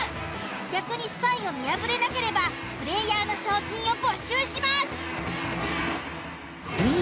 逆にスパイを見破れなければプレイヤーの賞金を没収します。